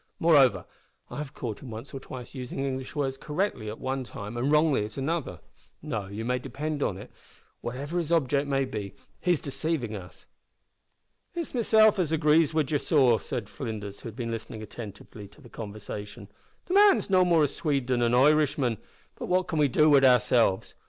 Moreover, I have caught him once or twice using English words correctly at one time and wrongly at another. No, you may depend on it that, whatever his object may be, he is deceiving us." "It's mesilf as agrees wid ye, sor," said Flinders, who had been listening attentively to the conversation. "The man's no more a Swede than an Irishman, but what can we do wid oursilves!